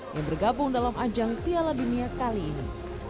yang bergabung dalam ajang piala dunia kali ini